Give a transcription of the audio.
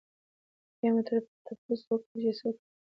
بيا مو ترې تپوس وکړو چې څۀ کوئ؟